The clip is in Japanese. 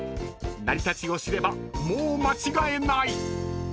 ［成り立ちを知ればもう間違えない！］